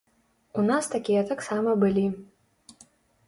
У нас такія таксама былі.